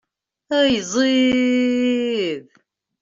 Ay ẓid!